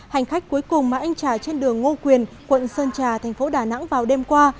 hành khách cuối cùng mà anh trả trên đường ngô quyền quận sơn trà thành phố đà nẵng vào đêm qua